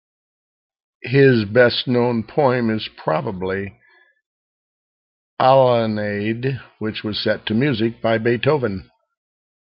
His best known poem is probably "Adelaide", which was set to music by Beethoven.